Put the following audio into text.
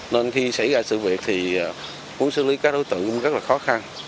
nên khi xảy ra sự việc thì muốn xử lý các đối tượng cũng rất là khó khăn